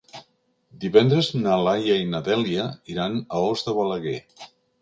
Divendres na Laia i na Dèlia iran a Os de Balaguer.